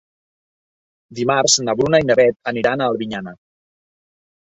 Dimarts na Bruna i na Beth aniran a Albinyana.